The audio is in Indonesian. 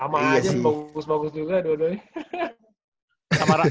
sama aja bagus bagus juga dua duanya